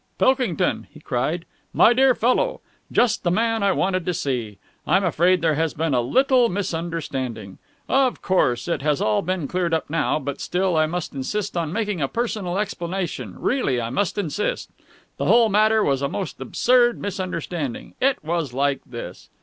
"Pilkington!" he cried. "My dear fellow! Just the man I wanted to see! I'm afraid there has been a little misunderstanding. Of course, it has all been cleared up now, but still I must insist on making a personal explanation; really, I must insist. The whole matter was a most absurd misunderstanding. It was like this...."